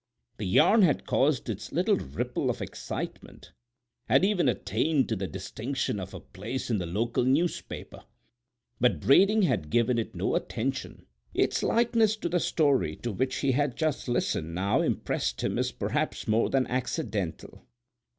The yarn had caused its little ripple of excitement—had even attained to the distinction of a place in the local newspaper; but Brading had given it no attention. Its likeness to the story to which he had just listened now impressed him as perhaps more than accidental.